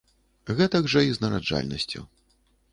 Гэтак жа і з нараджальнасцю.